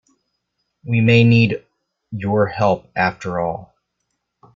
We may need your help after all.